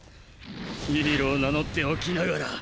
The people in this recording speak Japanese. ヒーロー名乗っておきながら！